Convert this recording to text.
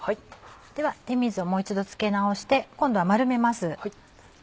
では手水をもう一度付け直して今度は丸めます。